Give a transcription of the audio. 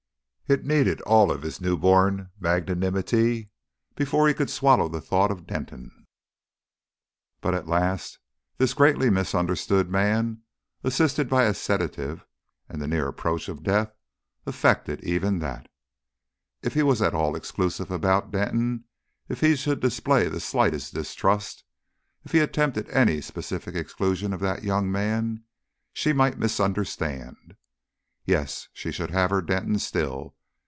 It needed all his newborn magnanimity before he could swallow the thought of Denton; but at last this greatly misunderstood man, assisted by his sedative and the near approach of death, effected even that. If he was at all exclusive about Denton, if he should display the slightest distrust, if he attempted any specific exclusion of that young man, she might misunderstand. Yes she should have her Denton still.